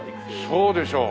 そうでしょう。